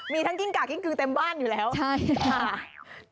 มีทั้งกิ้งกากกิ้งกือเต็มบ้านอยู่แล้วใช่ค่ะ